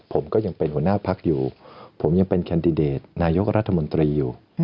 ผมก็ยังเป็นหัวหน้าพักอยู่ผมยังเป็นแคนดิเดตนายกรัฐมนตรีอยู่